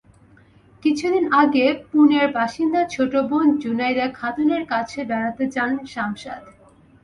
কিছুদিন আগে পুনের বাসিন্দা ছোট বোন জুনাইদা খাতুনের কাছে বেড়াতে যান শামশাদ।